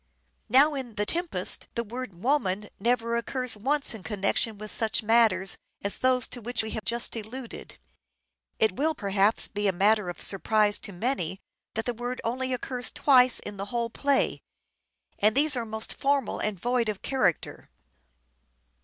Now, in " The Tempest " the word " woman " never occurs once in connection with such matters as those to which we have just alluded. It will perhaps be a matter of surprise to many that the word only occurs twice in the whole play, and these are most formal and void of character.